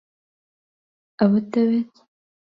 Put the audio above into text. ئەوت دەوێت؟